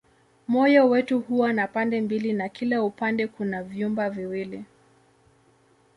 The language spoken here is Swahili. Moyo wetu huwa na pande mbili na kila upande kuna vyumba viwili.